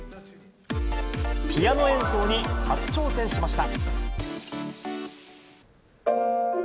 ピアノ演奏に初挑戦しました。